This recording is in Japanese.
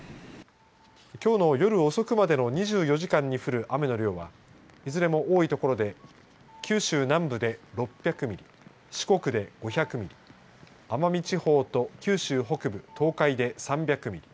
きょうの夜遅くまでの２４時間に降る雨の量はいずれも多い所で九州南部で６００ミリ四国で５００ミリ奄美地方と九州北部東海で３００ミリ